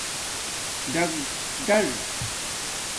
ڈکڈر